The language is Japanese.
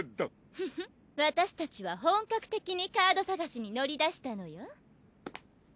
フフ私たちは本格的にカード探しに乗り出したのよ。